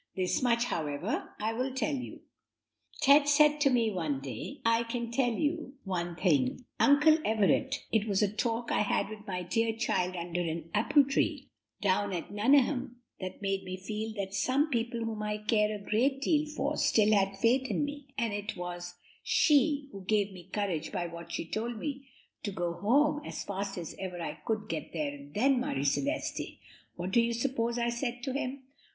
This much, however, I will tell you. Ted said to me one day, 'I can tell you one thing, Uncle Everett, it was a talk I had with that dear child under an apple tree, down at Nuneham, that made me feel that some people whom I care a great deal for still had faith in me, and it was she who gave me courage by what she told me to go home as fast as ever I could get there and then, Marie Celeste, what do you suppose I said to him?